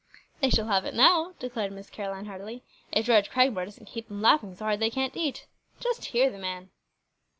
"They shall have it now," declared Miss Caroline heartily, "if George Cragmore doesn't keep them laughing so hard they can't eat. Just hear the man!"